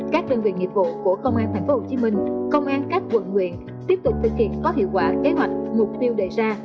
các đơn vị nghiệp vụ của công an tp hcm công an các quận huyện tiếp tục thực hiện có hiệu quả kế hoạch mục tiêu đề ra